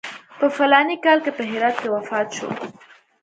په فلاني کال کې په هرات کې وفات شو.